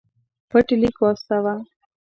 پټ لیک واستاوه.